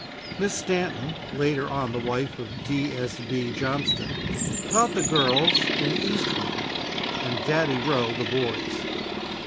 Miss Stanton (later on the wife of D. S. B. Johnston) taught the girls in the east room and "Daddy" Roe the boys.